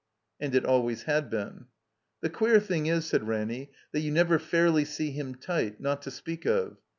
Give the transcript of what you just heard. '' (And it always had been.) "The queer thing is," said Ranny, "that you never fairly see him tight. Not to speak of."